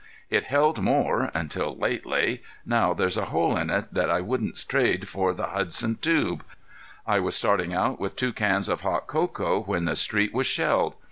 It held more—until lately; now there's a hole in it that I wouldn't trade for the Hudson "tube." I was starting out with two cans of hot cocoa when the street was shelled.